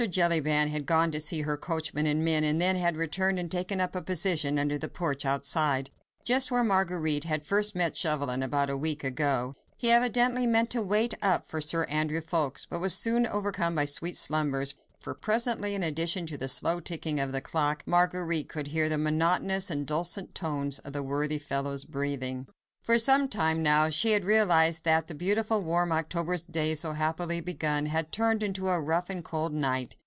Jellyband had gone to see to her coachman and men, and then had returned and taken up a position under the porch outside, just where Marguerite had first met Chauvelin about a week ago. He evidently meant to wait up for Sir Andrew Ffoulkes, but was soon overcome by sweet slumbers, for presently—in addition to the slow ticking of the clock—Marguerite could hear the monotonous and dulcet tones of the worthy fellow's breathing. For some time now, she had realised that the beautiful warm October's day, so happily begun, had turned into a rough and cold night.